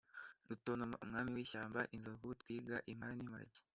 rutontoma umwami w'ishyamba, inzovu, twiga, impara n'imparage,